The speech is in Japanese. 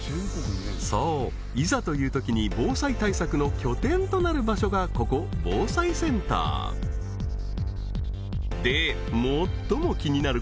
そういざというときに防災対策の拠点となる場所がここ防災センターで最も気になる